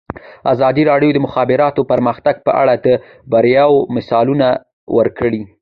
ازادي راډیو د د مخابراتو پرمختګ په اړه د بریاوو مثالونه ورکړي.